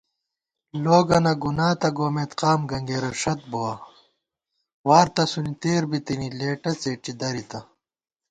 لوگَنہ گُنا تہ گومېت، قام گنگېرہ ݭت بُوَہ * وار تسُونی تېر بِتِنی ، لېٹہ څېٹی دَرِتہ